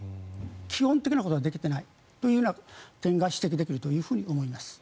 基本的なことができていないというような点が指摘できると思います。